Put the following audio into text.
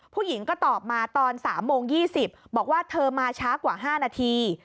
ผู้หญิงก็ตอบมาตอน๓โมง๒๐บอกว่าเธอมาช้ากว่า๕นาที